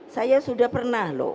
saya sudah pernah loh